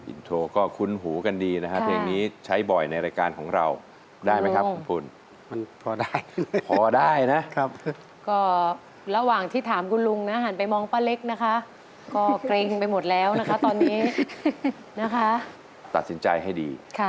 อินโทรก็คุ้นหูกันดีนะคะเพลงนี้ใช้บ่อยในรายการของเราได้ไหมครับคุณมันพอได้พอได้นะก็ระหว่างที่ถามคุณลุงนะหันไปมองป้าเล็กนะคะก็เกร็งไปหมดแล้วนะคะตอนนี้นะคะตัดสินใจให้ดี